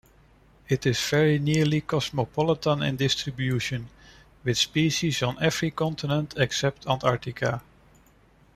It is very nearly cosmopolitan in distribution, with species on every continent except Antarctica.